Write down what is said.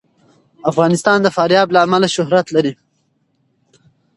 افغانستان د فاریاب له امله شهرت لري.